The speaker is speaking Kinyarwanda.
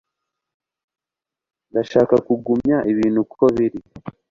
ndashaka kugumya ibintu uko biri